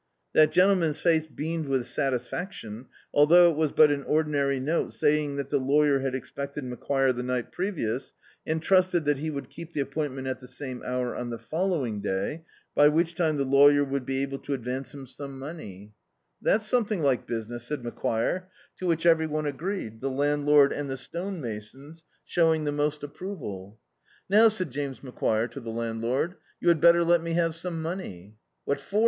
That gentle man's face beamed with satisfaction, although it was but an ordinary note saying that the lawyer had expected Macquire the ni^t previous, and trusted that he would keep the appointment at the same hour on the following day, by which time the law yer would be able to advance him some money. D,i.,.db, Google The Fortune "That's something like business," said Macquire, to which every one agreed, the landlord and the stone* masons showing the most approval. "Now," said James Macquire to the landlord, "you had better let me have some money." "What for?"